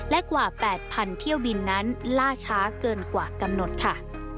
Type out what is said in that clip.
และกว่า๘๐๐เที่ยวบินนั้นล่าช้าเกินกว่ากำหนดค่ะ